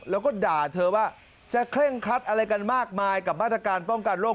แล้วก็ด่าเธอว่าจะเคร่งครัดอะไรกันมากมายกับมาตรการป้องกันโรค